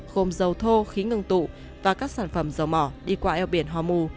gồm dầu thô khí ngừng tụ và các sản phẩm dầu mỏ đi qua eo biển hormu